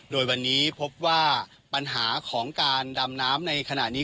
โดยวันนี้พบว่าปัญหาของการดำน้ำในขณะนี้